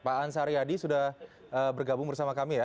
pak ansar yadi sudah bergabung bersama kami ya